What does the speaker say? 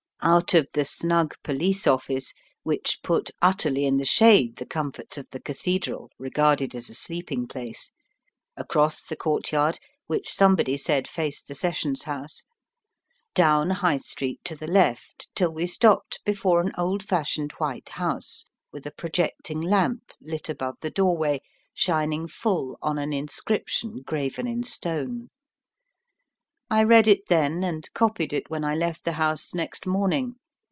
Out of the snug police office which put utterly in the shade the comforts of the cathedral regarded as a sleeping place across the courtyard, which somebody said faced the Sessions House, down High Street to the left till we stopped before an old fashioned white house with a projecting lamp lit above the doorway, shining full on an inscription graven in stone. I read it then and copied it when I left the house next morning.